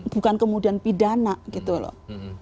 bukan kemudian pidana gitu loh